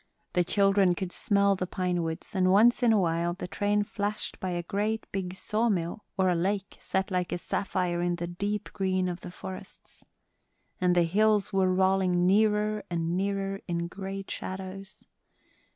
The children could smell the pine woods, and once in a while the train flashed by a great big sawmill, or a lake set like a sapphire in the deep green of the forests. And the hills were rolling nearer and nearer in great shadows.